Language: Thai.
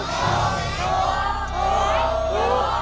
แก้ว